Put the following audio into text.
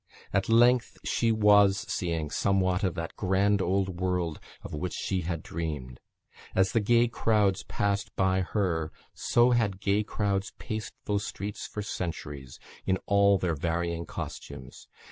At length she was seeing somewhat of that grand old world of which she had dreamed. As the gay crowds passed by her, so had gay crowds paced those streets for centuries, in all their varying costumes.